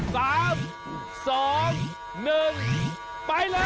สามสองหนึ่งไปเลย